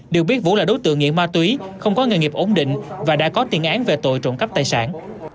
được biết vũ là đối tượng nghiện ma túy không có nghề nghiệp ổn định và đã có tiền án về tội trộm cắp tài sản